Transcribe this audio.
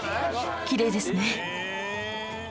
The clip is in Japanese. きれいですね